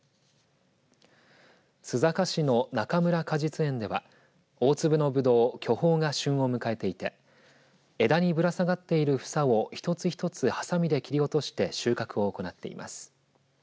須坂市のなかむら果実園では大粒のブドウ、巨峰が旬を迎えていて枝にぶら下がっている房を一つ一つはさみで切り落として収穫を行っています。